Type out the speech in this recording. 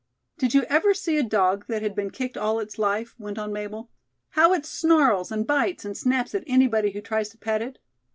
"Did you ever see a dog that had been kicked all its life?" went on Mabel; "how it snarls and bites and snaps at anybody who tries to pet it?